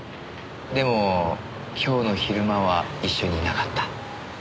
でも今日の昼間は一緒にいなかった。